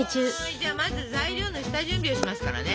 じゃあまず材料の下準備をしますからね。